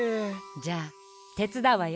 じゃあてつだうわよ。